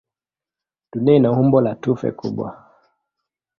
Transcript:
Dunia ina umbo la tufe kubwa.